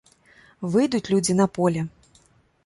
Выйдуць людзі на поле.